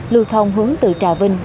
lưu thông hướng từ trà vinh